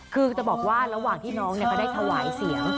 คือจะบอกว่าระหว่างที่น้องเขาได้ถวายเสียง